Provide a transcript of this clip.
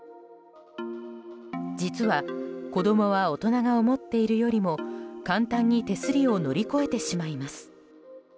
実は、子供は大人が思っているよりも簡単に手すりを乗り越えてしまいます。